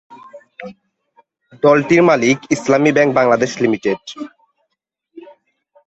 দলটির মালিক Islami bank Bangladesh limited.